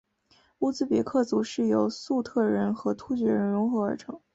乌兹别克族是由粟特人和突厥人溶合而成。